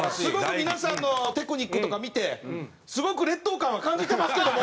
皆さんのテクニックとか見てすごく劣等感は感じてますけども。